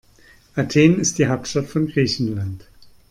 Athen ist die Hauptstadt von Griechenland.